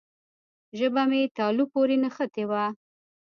ژبه مې تالو پورې نښتې وه.